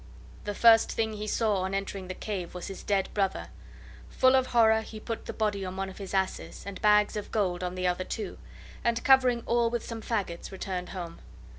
The first thing he saw on entering the cave was his dead brother. Full of horror, he put the body on one of his asses, and bags of gold on the other two, and, covering all with some fagots, returned home.